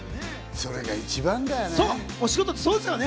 それが一番だよね。